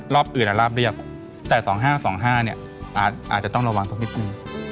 อื่นราบเรียบแต่๒๕๒๕เนี่ยอาจจะต้องระวังสักนิดนึง